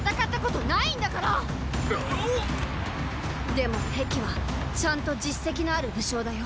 でも壁はちゃんと実績のある武将だよ。